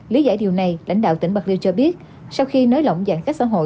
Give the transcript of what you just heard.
lý giải điều này lãnh đạo tỉnh bạc liêu cho biết sau khi nới lỏng giãn cách xã hội